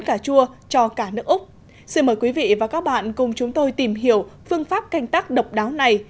cà chua cho cả nước úc xin mời quý vị và các bạn cùng chúng tôi tìm hiểu phương pháp canh tác độc đáo này